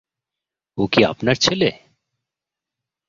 ও কি আপনার ছেলে?